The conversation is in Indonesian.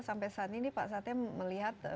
sampai saat ini pak sate melihat